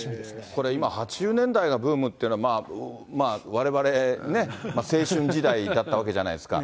これ、今、８０年代がブームっていうのは、われわれ青春時代だったわけじゃないですか。